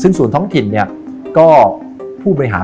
ซึ่งส่วนท้องถิ่นเนี่ยก็ผู้บริหาร